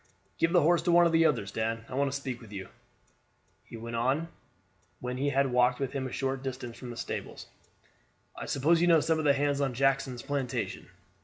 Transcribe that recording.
"Give the horse to one of the others, Dan; I want to speak to you. Dan," he went on when he had walked with him a short distance from the stables, "I suppose you know some of the hands on Jackson's plantation."